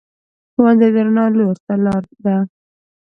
ښوونځی د رڼا لور ته لار ده